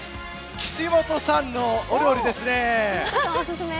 岸本さんのお料理です。